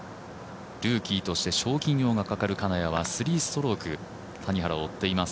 ルーキーとして賞金王がかかる金谷は３ストローク、谷原を追っています。